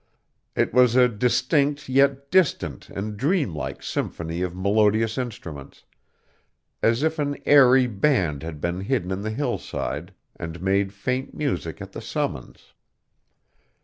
It was a distinct yet distant and dreamlike symphony of melodious instruments, as if an airy band had been hidden on the hillside and made faint music at the summons.